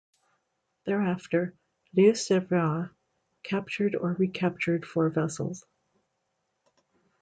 Thereafter "Loup Cervier" captured or recaptured four vessels.